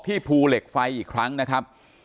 ภูเหล็กไฟอีกครั้งนะครับ